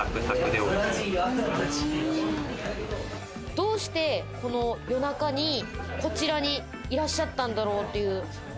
どうして、この夜中にこちらにいらっしゃったんだろう？という。